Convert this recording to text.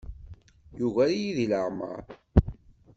Yugar-iyi deg leɛmeṛ.